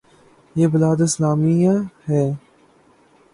یہ بلاد اسلامیہ ہیں۔